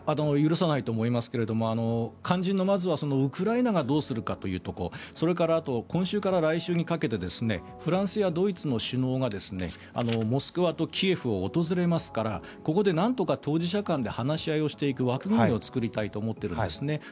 許さないと思いますが肝心のウクライナがどうするかということそれから今週から来週にかけてフランスやドイツの首脳がモスクワとキエフを訪れますからここでなんとか当事者間で話し合いをしていく枠組みを作りたいと思っているんですね。